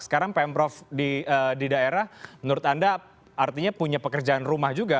sekarang pemprov di daerah menurut anda artinya punya pekerjaan rumah juga